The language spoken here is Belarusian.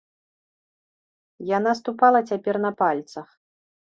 Яна ступала цяпер на пальцах.